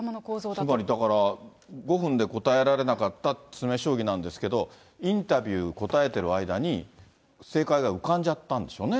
つまり、だから５分で答えられなかった詰め将棋なんですけど、インタビュー答えてる間に、正解が浮かんじゃったんでしょうね。